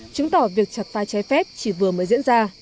chứng tỏ việc chặt phai trái phép chỉ vừa mới diễn ra